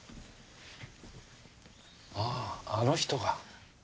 あああの人が。